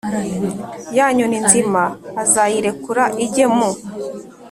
Ya nyoni nzima azayirekure ijye mu